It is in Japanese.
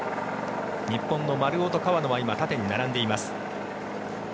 日本の丸尾と川野は縦に並んでいます。